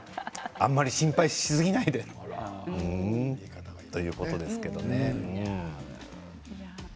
あまり心配しすぎないでということですけれどもね。